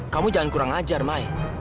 kamu jangan kurang ajar mai